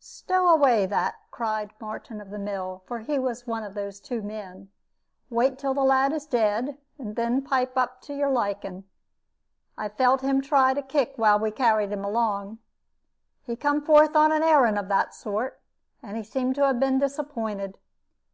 "Stow away that," cried Martin of the mill, for he was one of those two men; "wait till the lad is dead, and then pipe up to your liking. I felt him try to kick while we carried him along. He come forth on a arrand of that sort, and he seem to 'a been disappointed.